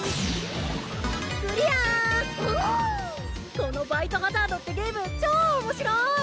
この『バイトハザード』ってゲーム超おもしろい！